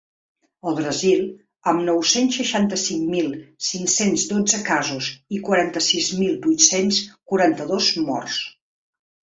El Brasil, amb nou-cents seixanta-cinc mil cinc-cents dotze casos i quaranta-sis mil vuit-cents quaranta-dos morts.